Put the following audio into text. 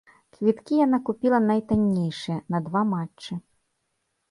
Квіткі яна купіла найтаннейшыя, на два матчы.